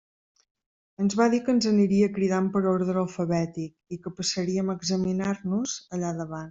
Ens va dir que ens aniria cridant per ordre alfabètic, i que passaríem a examinar-nos allà davant.